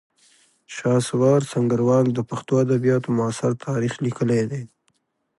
شهسوار سنګروال د پښتو ادبیاتو معاصر تاریخ لیکلی دی